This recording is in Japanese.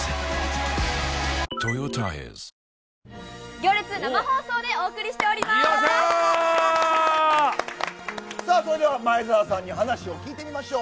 行列、生放送でお送りしておそれでは、前澤さんに話を聞いてみましょう。